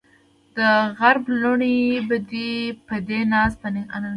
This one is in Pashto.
دغرب لوڼې به دې ناز په اننګو وړي